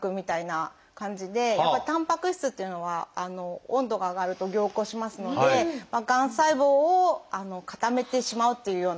たんぱく質っていうのは温度が上がると凝固しますのでがん細胞を固めてしまうというような感じですね。